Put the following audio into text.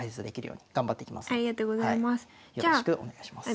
よろしくお願いします。